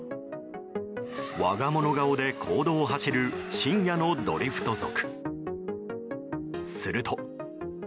我が物顔で公道を走る深夜のドリフト族。